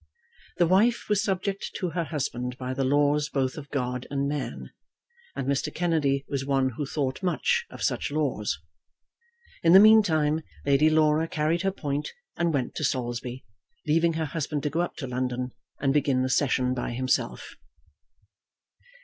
The wife was subject to her husband by the laws both of God and man; and Mr. Kennedy was one who thought much of such laws. In the meantime, Lady Laura carried her point and went to Saulsby, leaving her husband to go up to London and begin the session by himself.